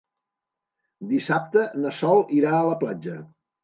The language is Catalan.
Dissabte na Sol irà a la platja.